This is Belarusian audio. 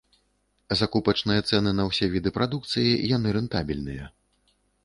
Закупачныя цэны на ўсе віды прадукцыі яны рэнтабельныя.